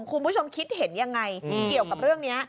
คุณผู้ชมคิดเห็นยังไงเกี่ยวกับเรื่องนี้